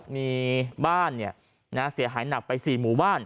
มีบ้านเสียหายหนักไป๔หมู่บ้าน